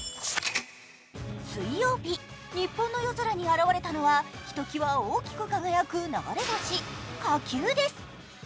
水曜日日本の夜空に現れたのはひときわ大きく輝く流れ星、火球です。